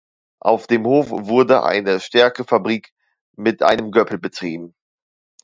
Auf dem Hof wurde eine Stärkefabrik mit einem Göpel betrieben.